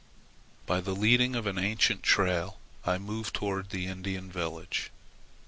By the leading of an ancient trail I move toward the Indian village.